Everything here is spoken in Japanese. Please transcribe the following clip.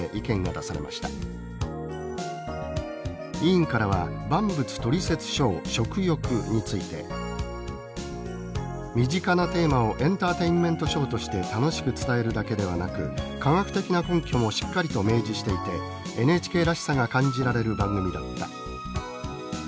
委員からは万物トリセツショー「食欲」について「身近なテーマをエンターテインメントショーとして楽しく伝えるだけではなく科学的な根拠もしっかりと明示していてＮＨＫらしさが感じられる番組だった」。